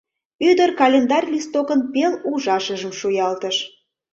— Ӱдыр календарь листокын пел ужашыжым шуялтыш.